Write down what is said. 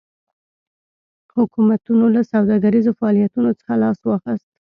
حکومتونو له سوداګریزو فعالیتونو څخه لاس واخیست.